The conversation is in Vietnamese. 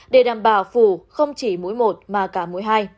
để đảm bảo phủ không chỉ mũi một mà cả mũi hai